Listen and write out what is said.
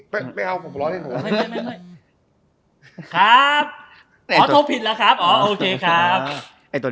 นี่ไปเขาผมล้อเล่น